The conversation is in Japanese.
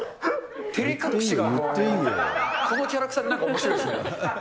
てれ隠しがもう、このキャラクターって、なんかおもしろいですね。